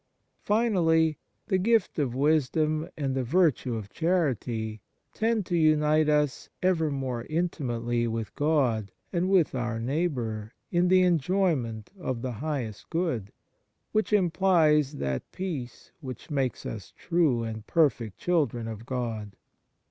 Finally, the gift of wisdom and the virtue of charity tend to unite us ever more in timately with God and with our neigh bour in the enjoyment of the highest good, 105 THE MARVELS OF DIVINE GRACE which implies that peace which makes us true and perfect children of God.